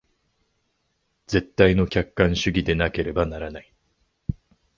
絶対の客観主義でなければならない。